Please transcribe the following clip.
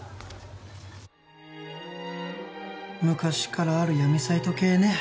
昔からある闇サイト系ね